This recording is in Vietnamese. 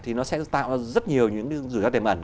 thì nó sẽ tạo ra rất nhiều những rủi ro tiềm ẩn